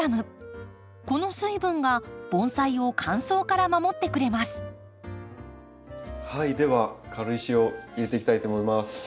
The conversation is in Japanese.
この水分が盆栽を乾燥から守ってくれます。